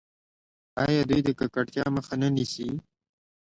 آیا دوی د ککړتیا مخه نه نیسي؟